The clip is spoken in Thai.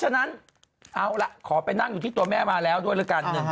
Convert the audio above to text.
ฉะนั้นเอาล่ะขอไปนั่งอยู่ที่ตัวแม่มาแล้วด้วยละกัน